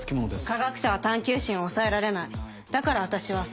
科学者は探究心を抑えられないだから私は。